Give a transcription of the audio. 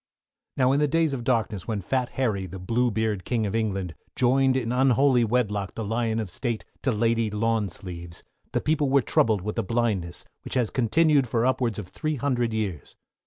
Now in the days of darkness, when Fat Harry, the Bluebeard King of England, joined in unholy wedlock the Lion of State to Lady Lawn Sleeves, the people were troubled with a blindness, which has continued for upwards of three hundred years.